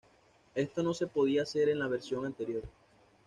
Esto no se podía hacer en la versión anterior.